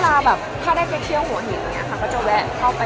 แล้วก็แบบแม้ว่าจะไปที่ไหนจังก็แบบไปร่วมทำบุญ